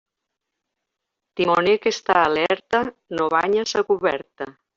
Timoner que està alerta no banya sa coberta.